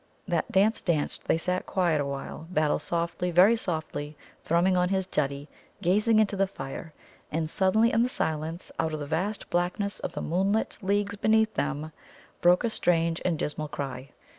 That dance danced, they sat quiet awhile, Battle softly, very softly, thrumming on his Juddie, gazing into the fire. And suddenly in the silence, out of the vast blackness of the moonlit leagues beneath them, broke a strange and dismal cry.